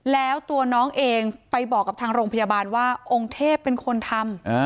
แล้วตัวน้องเองไปบอกกับทางโรงพยาบาลว่าองค์เทพเป็นคนทำ